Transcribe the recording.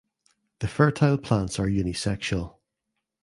The fertile plants are unisexual.